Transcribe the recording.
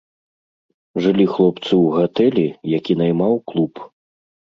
Жылі хлопцы ў гатэлі, які наймаў клуб.